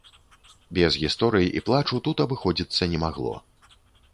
Без гісторый і плачу тут абыходзіцца не магло.